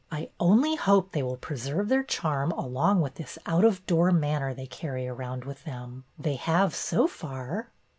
I only hope they will pre serve their charm along with this out of door manner they carry around with them. They have, so far."